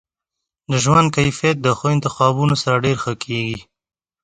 د ژوند کیفیت د ښو انتخابونو سره ډیر ښه کیږي.